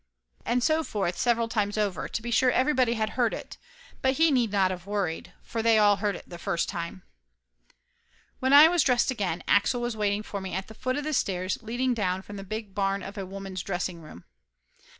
And so forth several times over to be sure every body had heard it, but he need not of worried, for they all heard the first time. When I was dressed again Axel was waiting for me at the foot of the stairs leading down from the big barn of a women's dressing room.